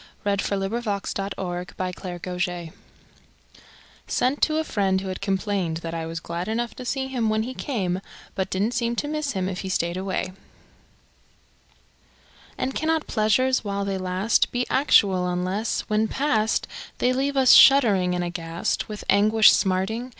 [Picture: Sighing at the table] A VALENTINE [Sent to a friend who had complained that I was glad enough to see him when he came, but didnŌĆÖt seem to miss him if he stayed away.] And cannot pleasures, while they last, Be actual unless, when past, They leave us shuddering and aghast, With anguish smarting?